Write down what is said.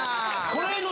これの。